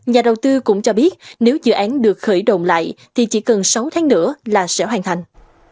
nhà đầu tư cũng cho biết nếu dự án được khởi động lại thì chỉ cần sáu tháng nữa là sẽ hoàn thành